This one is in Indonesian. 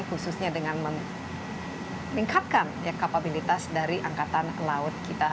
khususnya dengan meningkatkan kapabilitas dari angkatan laut kita